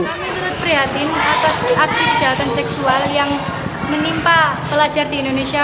kami turut prihatin atas aksi kejahatan seksual yang menimpa pelajar di indonesia